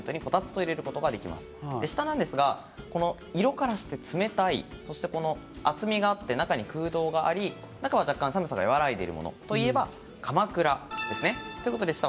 下なんですが色からして冷たい、そして厚みがあって中に空洞があり、中は若干寒さが和らいでいるものといえばかまくらですね。